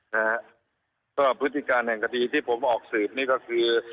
นะฮะสำหรับพฤติการแห่งคดีที่ผมออกสืบนี่ก็คือ